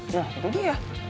nah itu dia